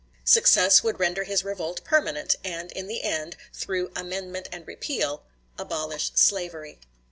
Success would render his revolt permanent, and in the end, through "amendment and repeal," abolish slavery.